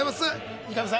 三上さん